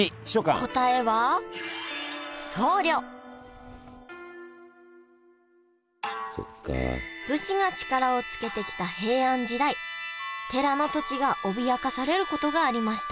答えは武士が力をつけてきた平安時代寺の土地が脅かされることがありました